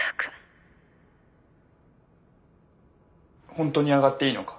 ほんとに上がっていいのか？